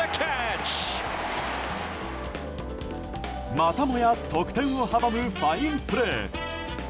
またもや得点を阻むファインプレー。